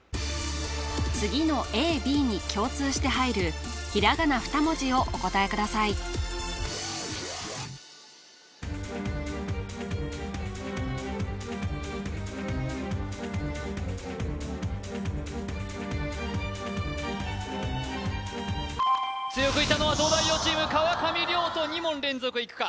次のＡＢに共通して入るひらがな２文字をお答えください強くいったのは東大王チーム川上諒人２問連続いくか？